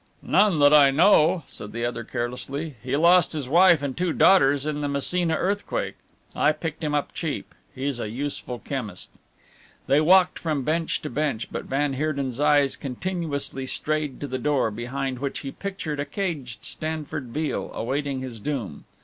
"None that I know," said the other carelessly; "he lost his wife and two daughters in the Messina earthquake. I picked him up cheap. He's a useful chemist." They walked from bench to bench, but van Heerden's eyes continuously strayed to the door, behind which he pictured a caged Stanford Beale, awaiting his doom.